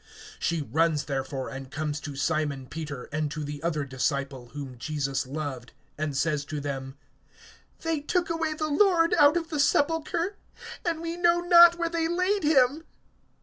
(2)She runs therefore and comes to Simon Peter, and to the other disciple, whom Jesus loved, and says to them: They took away the Lord out of the sepulchre, and we know not where they laid him.